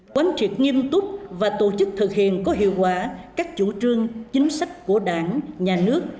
quán triệt nghiêm túc và tổ chức thực hiện có hiệu quả các chủ trương chính sách của đảng nhà nước